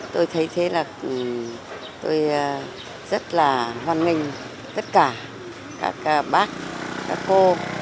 tôi thấy thế là tôi rất là hoan nghênh tất cả các bác các cô